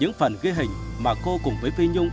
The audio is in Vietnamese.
ghi hình mà cô cùng với phi nhung